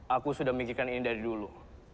aku sudah mijikan ini dari dulu